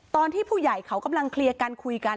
ตอนที่ผู้ใหญ่เขากำลังเคลียร์กันคุยกัน